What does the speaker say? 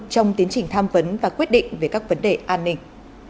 trong tiến trình tham vấn và quyết định về các vấn đề an ninh